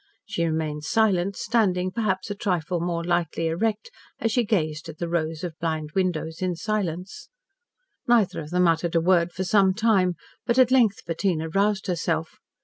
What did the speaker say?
She remained silent, standing perhaps a trifle more lightly erect as she gazed at the rows of blind windows in silence. Neither of them uttered a word for some time, but at length Bettina roused herself.